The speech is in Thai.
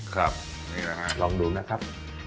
ครับนี่แหละฮะลองดูนะครับ